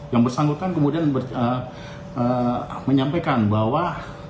yang bersangkutan kemudian menyampaikan bahwa